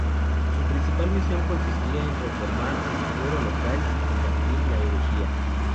Su principal misión consistía en reformar el clero local y combatir la herejía.